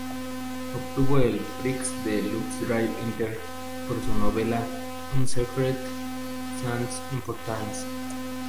Obtuvo el "Prix du Livre Inter" por su novela "Un secret sans importance".